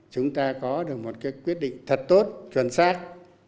chúng ta có được một cái quyết định thật tốt chuẩn xác